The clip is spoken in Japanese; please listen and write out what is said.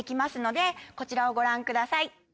こちらをご覧ください。